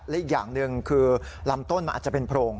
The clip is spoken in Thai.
และอีกอย่างหนึ่งคือลำต้นมันอาจจะเป็นโพรง